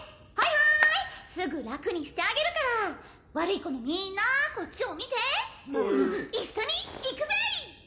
はいすぐ楽にしてあげるから悪い子のみんなこっちを見て一緒にいくぜ！